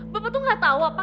bapak tuh gak tau apa apa